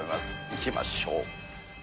行きましょう。